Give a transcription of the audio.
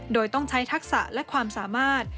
โดยต้องใช้ทักษะและความสามารถ